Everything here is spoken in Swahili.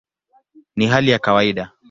Ni hali ya kawaida".